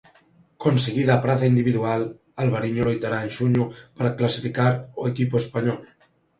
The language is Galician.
Conseguida a praza individual, Alvariño loitará en xuño para clasificar o equipo español.